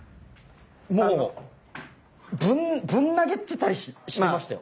もうぶん投げてたりしてましたよ。